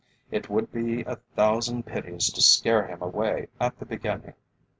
It would be a thousand pities to scare him away at the beginning.